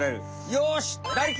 よし！